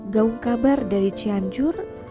gaung kabar dari cianjur